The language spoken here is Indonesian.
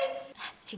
hah sini sini sini